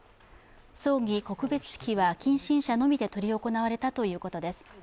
葬儀・告別式は近親者のみで執り行われたということです。